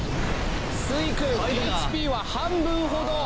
スイクンＨＰは半分ほど。